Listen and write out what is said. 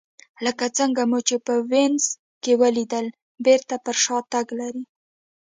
لکه څنګه مو چې په وینز کې ولیدل بېرته پر شا تګ لري